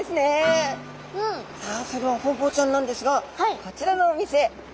さあそれではホウボウちゃんなんですがこちらのお店うわ